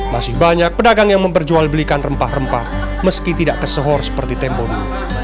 masih banyak pedagang yang memperjual belikan rempah rempah meski tidak kesehor seperti tempoh dulu